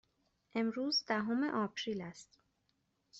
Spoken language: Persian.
امروز دهم آپریل است.